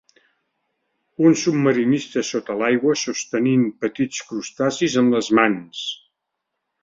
Un submarinista sota l'aigua sostenint petits crustacis amb les mans.